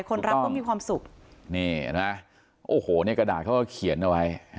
คนให้ก็ชื่นใจคนรับก็มีความสุข